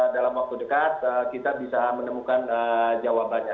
dalam waktu dekat kita bisa menemukan jawabannya